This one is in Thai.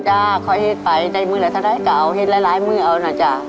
จ้ะเค้าเหตุไปในมือละทะเลเก่าเหตุล้ายมือเอานะจ้ะ